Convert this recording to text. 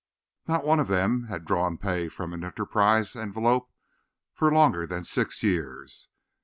Not one of them had drawn pay from an Enterprise envelope for longer than six years.